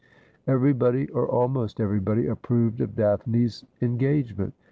Everybody, or almost everybody, approved of Daphne's en gagement.